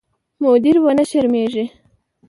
مدیر ونه شرمېږي.